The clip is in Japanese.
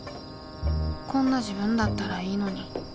こんな自分だったらいいのに。